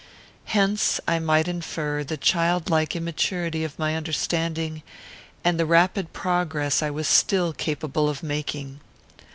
Hence I might infer the childlike immaturity of my understanding, and the rapid progress I was still capable of making.